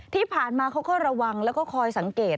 ที่ผ่านมาเขาก็ระวังแล้วก็คอยสังเกต